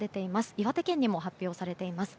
岩手県にも発表されています。